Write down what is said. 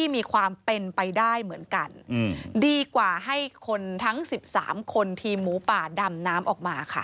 มีความเป็นไปได้เหมือนกันดีกว่าให้คนทั้ง๑๓คนทีมหมูป่าดำน้ำออกมาค่ะ